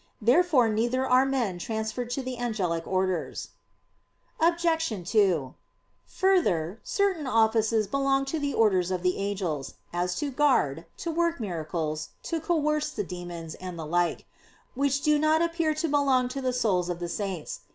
Therefore neither are men transferred to the angelic orders. Obj. 2: Further, certain offices belong to the orders of the angels, as to guard, to work miracles, to coerce the demons, and the like; which do not appear to belong to the souls of the saints.